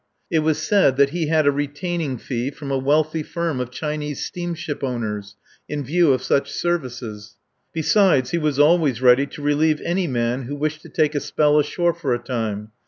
It was said that he had a retaining fee from a wealthy firm of Chinese steamship owners, in view of such services. Besides, he was always ready to relieve any man who wished to take a spell ashore for a time.